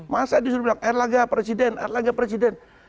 masa disuruh bilang erlangga presiden erlangga presiden